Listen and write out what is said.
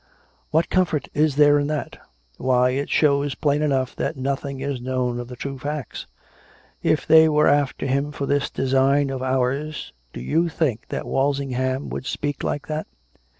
"What comfort is there in that?" " Why ; it shows plain enough that nothing is known of the true facts. If they were after him for this design of ours do you think that Walsingham would speak like that?